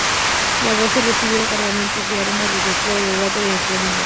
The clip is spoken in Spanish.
La base recibía cargamentos de armas desde Fort Delaware en Florida.